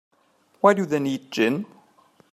Why do they need gin?